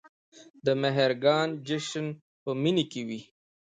د مهرګان جشن په مني کې و